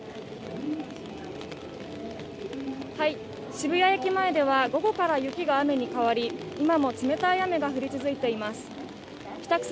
渋谷駅前では午後から雪が雨に変わり今も冷たい雨が降り続いています。